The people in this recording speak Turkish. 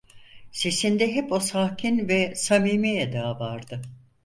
Sesinde hep o sakin ve samimi eda vardı: